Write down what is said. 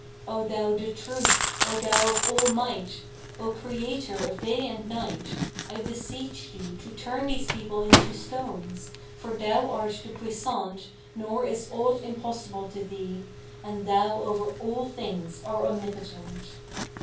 O Thou the Truth, O Thou of All might, O Creator of Day and Night, I beseech Thee to turn these people into stones, for Thou art the Puissant nor is aught impossible to Thee, and Thou over all things are omnipotent!'